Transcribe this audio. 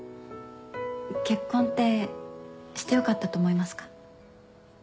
結婚ってしてよかったと思いますか？